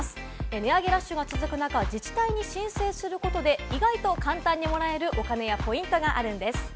値上げラッシュが続くなか自治体に申請することで意外と簡単にもらえるお金やポイントがあるんです。